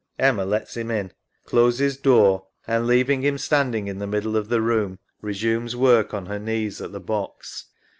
[Emma lets him in, closes door, and, leaving him standing in the middle oj the room, resumes work on her knees at the box.